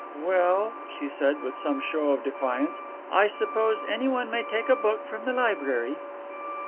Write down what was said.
"Well," she said, with some show of defiance, "I suppose anyone may take a book from the library."